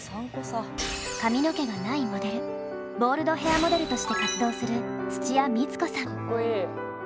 髪の毛がないモデルボールドヘアモデルとして活動するかっこいい。